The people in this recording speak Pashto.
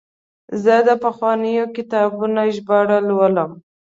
زه د پخوانیو کتابونو ژباړه لولم.